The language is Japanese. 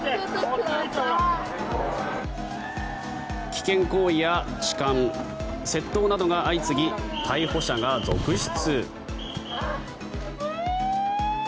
危険行為や痴漢窃盗などが相次ぎ逮捕者が続出。